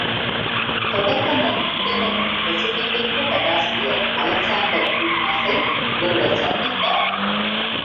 தொடக்கமும் முடிவும் பிரசித்தி பெற்ற கதாசிரியர் அலெக்ஸாண்டர் டூமாஸை, ஒருவர் சந்தித்தார்.